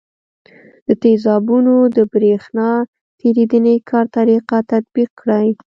د تیزابونو د برېښنا تیریدنې کار طریقه تطبیق کړئ.